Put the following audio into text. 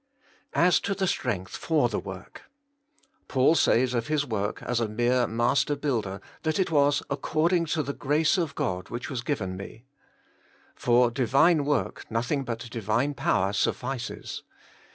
As to the strength for the work. — Paul says of his work as a mere master builder, that it was ' according to the grace of God which was given me; For Divine work nothing but Divine power suffices.